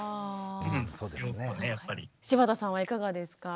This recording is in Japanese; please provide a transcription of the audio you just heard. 柴田さんはいかがですか？